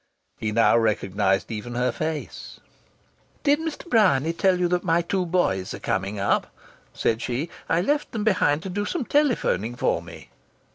He now recognized even her face! "Did Mr. Bryany tell you that my two boys are coming up?" said she. "I left them behind to do some telephoning for me."